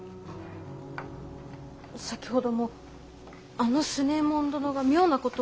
さきほどもあの強右衛門殿が妙なことを。